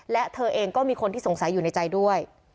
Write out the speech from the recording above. และเธอเองก็มีคนที่สงสัยอยู่ในใจด้วย